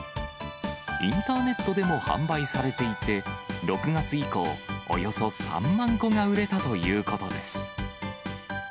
インターネットでも販売されていて、６月以降、およそ３万個が売れたということです。